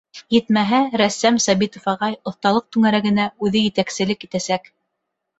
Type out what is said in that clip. Етмәһә, рәссам Сабитов ағай оҫталыҡ түңәрәгенә үҙе етәкселек итәсәк.